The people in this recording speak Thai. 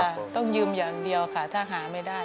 ต้องยืมอย่างเดียวค่ะถ้าหาไม่ได้